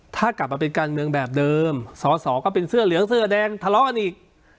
ถ้ากลับมาเป็นการเมืองแบบเดิมสอสอก็เป็นเสื้อเหลืองเสื้อแดงทะเลาะกันอีก